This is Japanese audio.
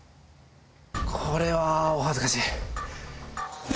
これはお恥ずかしい。